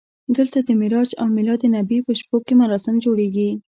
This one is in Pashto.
دلته د معراج او میلادالنبي په شپو کې مراسم جوړېږي.